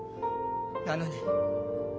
なのに。